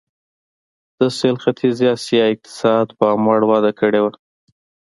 د سوېل ختیځې اسیا اقتصاد پاموړ وده کړې وه.